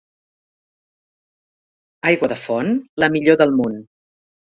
Aigua de font, la millor del món.